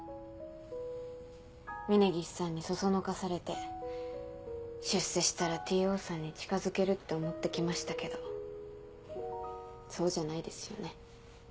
峰岸さんに唆されて出世したらＴ・Ｏさんに近づけるって思って来ましたけどそうじゃないですよね？